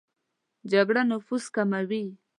جګړه نفوس کموي